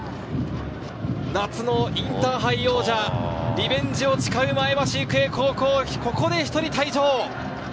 夏のインターハイ王者、リベンジを誓う前橋育英高校、ここで１人退場。